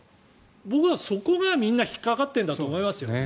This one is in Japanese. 僕はそこがみんな引っかかっているんだと思いますよ。